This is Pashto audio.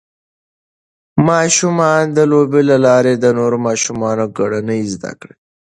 ماشومان د لوبو له لارې د نورو ماشومانو کړنې زده کوي.